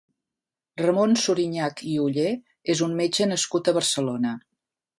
Ramon Surinyac i Oller és un metge nascut a Barcelona.